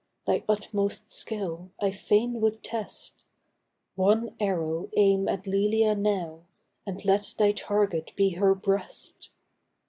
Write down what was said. Thy utmost skill I fain would test ; One arrow aim at Lelia now, And let thy target be her breast